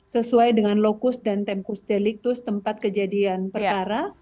sesuai dengan lokus dan tempus deliktus tempat kejadian perkara